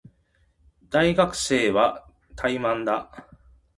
大学生は怠惰だ